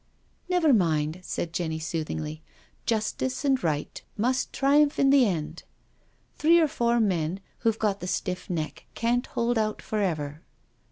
•* Never mind/* said Jenny soothingly —*' justice and right must triumph in the end. Three or four men who've got the stiff neck can't hold out for ever."